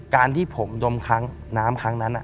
การที่ผมดมค้างน้ำค้างนั้น